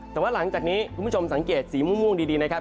แต่ว่าหลังจากนี้คุณผู้ชมสังเกตสีม่วงดีนะครับ